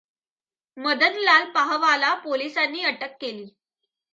मदनलाल पाहवाला पोलिसांनी अटक केली.